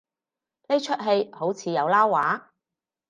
呢齣戲好似有撈話